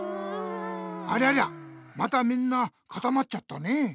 ありゃりゃまたみんなかたまっちゃったね。